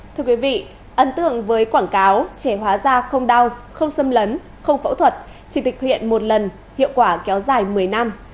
thưa quý vị ấn tượng với quảng cáo trẻ hóa da không đau không xâm lấn không phẫu thuật chỉ tịch huyện một lần hiệu quả kéo dài một mươi năm